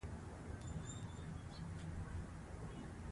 اداري دعوه د قانوني خوندیتوب وسیله ده.